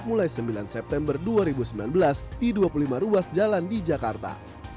mulai sembilan september dua ribu sembilan belas di dua puluh lima ruas jalan di jakarta